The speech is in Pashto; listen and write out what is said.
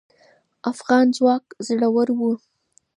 افغان ځواک زړور و